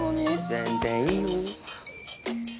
全然いいよ。